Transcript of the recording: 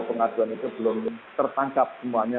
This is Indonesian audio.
pengaduan itu belum tertangkap semuanya